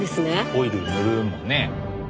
オイル塗るもんね。